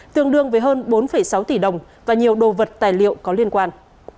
tương đương với hơn bốn sáu tỷ đồng và nhiều đồ vật tài liệu có liên quan